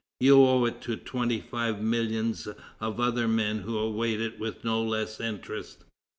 You owe it to twenty five millions of other men who await it with no less interest....